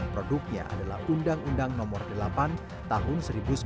produknya adalah undang undang nomor delapan tahun seribu sembilan ratus sembilan puluh